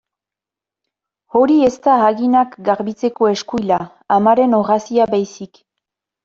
Hori ez da haginak garbitzeko eskuila, amaren orrazia baizik.